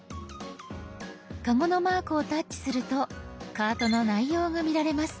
カゴのマークをタッチするとカートの内容が見られます。